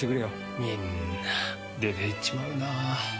みんな出ていっちまうな。